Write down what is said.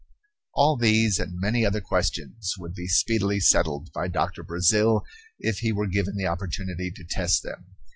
All these and many other questions would be speedily settled by Doctor Brazil if he were given the opportunity to test them.